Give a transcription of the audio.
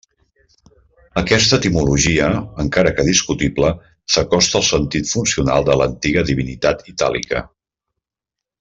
Aquesta etimologia, encara que discutible, s'acosta al sentit funcional de l'antiga divinitat itàlica.